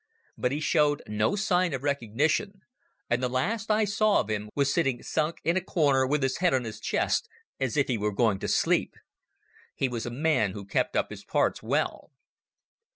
But he showed no sign of recognition, and the last I saw of him was sitting sunk in a corner with his head on his chest as if he were going to sleep. He was a man who kept up his parts well.